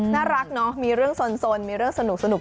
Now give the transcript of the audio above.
น่ารักเนาะมีเรื่องสนมีเรื่องสนุก